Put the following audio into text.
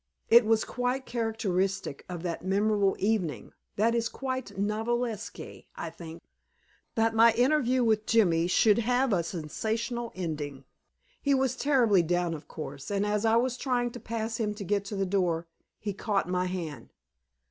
It was quite characteristic of that memorable evening (that is quite novelesque, I think) that my interview with Jimmy should have a sensational ending. He was terribly down, of course, and as I was trying to pass him to get to the door, he caught my hand.